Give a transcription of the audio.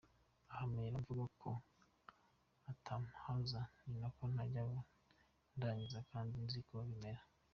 Aho mpera mvuga ko atampaza ni uko ntajya ndangiza kandi nzi uko bimera.